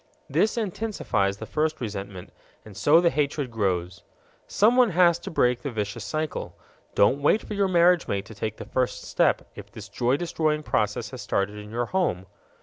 This intensifies the first resentment, and so the hatred grows. Someone has to break the vicious cycle. Don't wait for your marriage mate to take the first step if this joy destroying process has started in your home.